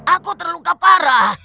aku terluka parah